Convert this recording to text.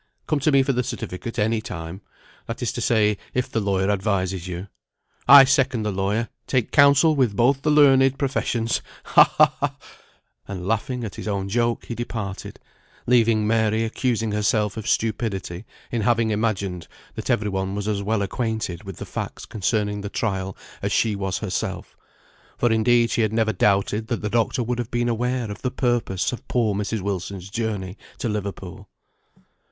Come to me for the certificate any time; that is to say, if the lawyer advises you. I second the lawyer; take counsel with both the learned professions ha, ha, ha, " And laughing at his own joke, he departed, leaving Mary accusing herself of stupidity in having imagined that every one was as well acquainted with the facts concerning the trial as she was herself; for indeed she had never doubted that the doctor would have been aware of the purpose of poor Mrs. Wilson's journey to Liverpool.